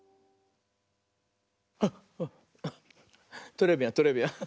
トレビアントレビアン。